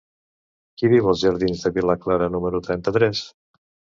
Qui viu als jardins de Villa Clara número trenta-tres?